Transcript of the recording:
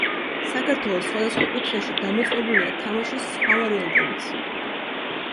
საქართველოს სხვადასხვა კუთხეში დამოწმებულია თამაშის სხვა ვარიანტებიც.